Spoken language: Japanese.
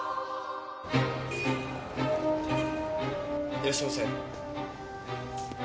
いらっしゃいませ。